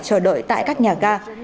và phải chờ đợi tại các nhà ga